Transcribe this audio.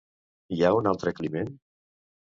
Hi ha un altre Climen?